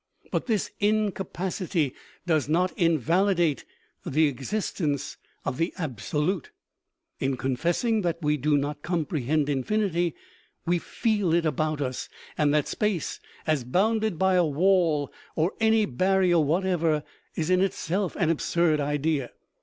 But this incapacity does not invalidate the existence of the absolute. In con fessing that we do not comprehend infinity, we feel it about us, and that space, as bounded by a wall or any barrier whatever, is in itself an absurd idea.